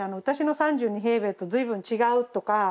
私の３２平米と随分違う」とか。